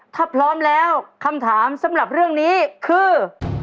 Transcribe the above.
ถ้าพร้อมแล้วคำถามสำหรับเรื่องนี้คือ